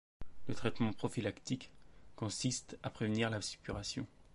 Le traitement prophylactique consiste à prévenir la suppuration.